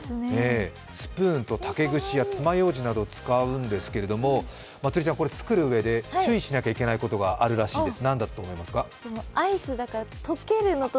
スプーンや竹串、爪ようじなどを使うんですけれどもまつりちゃん、作るうえで注意しなければいけないことがあるそうなんです。